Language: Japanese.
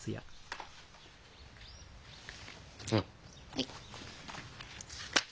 はい。